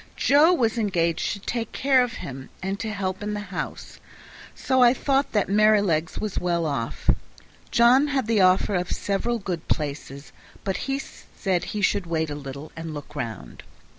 Joe was engaged to take care of him and to help in the house, so I thought that Merrylegs was well off. John had the offer of several good places, but he said he should wait a little and look round.